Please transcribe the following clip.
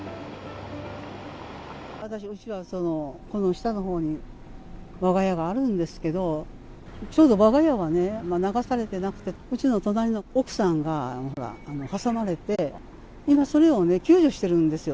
私のうちはこの下のほうに、わが家があるんですけど、ちょうどわが家は流されてなくて、うちの隣の奥さんが挟まれて、今、それをね、救助してるんですよ。